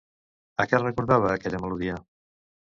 A què recordava aquella melodia?